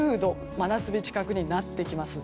真夏日近くになってきます。